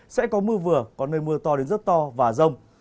sẽ có mưa vừa có nơi mưa to đến rất to và rông